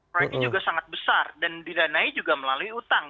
proyeknya juga sangat besar dan didanai juga melalui utang